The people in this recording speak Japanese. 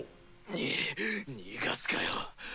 に逃がすかよ。